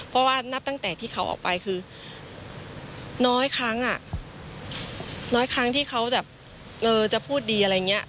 เพราะว่านับตั้งแต่ที่เขาออกไปคือน้อยครั้งน้อยครั้งที่เขาแบบจะพูดดีอะไรอย่างนี้